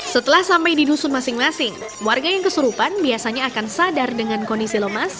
setelah sampai di dusun masing masing warga yang kesurupan biasanya akan sadar dengan kondisi lemas